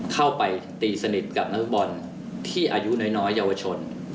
เข้าไปตีสนิทกับนักฟุตบอลที่อายุน้อยเยาวชน